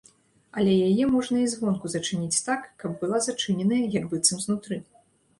Але яе можна і звонку зачыніць так, каб была зачыненая, як быццам знутры.